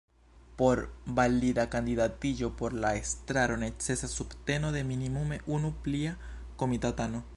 Por valida kandidatiĝo por la estraro necesas subteno de minimume unu plia komitatano.